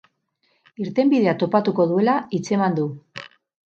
Irtenbidea topatuko duela hitzeman du.